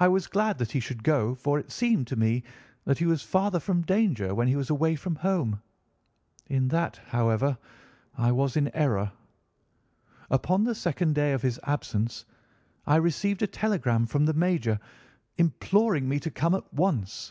I was glad that he should go, for it seemed to me that he was farther from danger when he was away from home. In that, however, I was in error. Upon the second day of his absence I received a telegram from the major, imploring me to come at once.